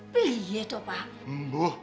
pih ya pak